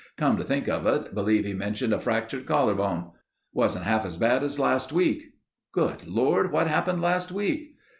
Come to think of it, believe he mentioned a fractured collar bone. Wasn't half as bad as last week." "Good Lord ... what happened last week?"